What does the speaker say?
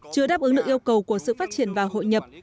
chưa đáp ứng được yêu cầu của sự phát triển và hội nhập